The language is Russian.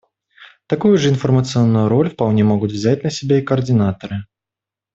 Такую же информационную роль вполне могут взять на себя и координаторы.